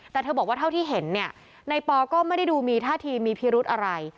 แต่เธอบอกว่าเท่าที่เห็นเนี่ยในปอก็ไม่ได้ดูมีท่าทีมีพิรุธอะไร